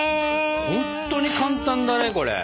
ほんとに簡単だねこれ。